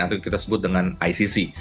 atau kita sebut dengan icc